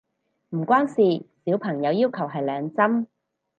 唔關事，小朋友要求係兩針